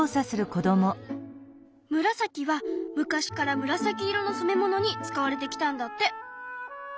ムラサキは昔から紫色の染めものに使われてきたんだって。